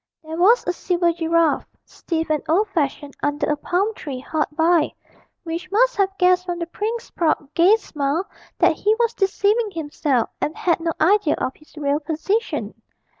There was a silver giraffe, stiff and old fashioned, under a palm tree hard by, which must have guessed from the prince's proud gay smile that he was deceiving himself and had no idea of his real position.